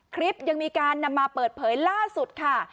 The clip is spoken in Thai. คลิปยังมีการนำมาเปิดเผยล่าสุดค่ะ